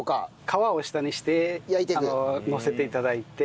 皮を下にしてのせて頂いて。